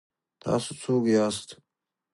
تاسو څوک یاست؟